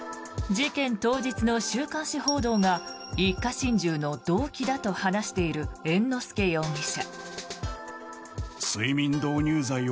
事件当日の週刊誌報道が一家心中の動機だと話している猿之助容疑者。